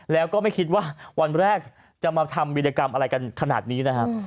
แล้วก็ไม่คิดว่าวันแรกจะมาทำวิรกรรมอะไรกันขนาดนี้นะครับ